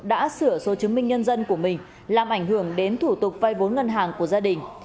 đã sửa số chứng minh nhân dân của mình làm ảnh hưởng đến thủ tục vay vốn ngân hàng của gia đình